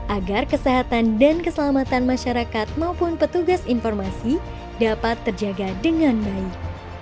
agar kesehatan dan keselamatan masyarakat maupun petugas informasi dapat terjaga dengan baik